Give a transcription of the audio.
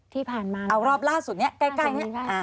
ที่ผ่านมาเอารอบล่าสุดนี้ใกล้เนี่ย